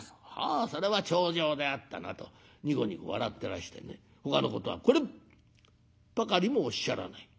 『ああそれは重畳であったな』とにこにこ笑ってらしてねほかのことはこれっぱかりもおっしゃらない。